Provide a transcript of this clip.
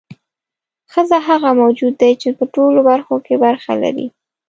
ښځه هغه موجود دی چې په ټولو برخو کې برخه لري.